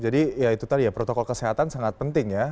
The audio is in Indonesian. jadi ya itu tadi ya protokol kesehatan sangat penting ya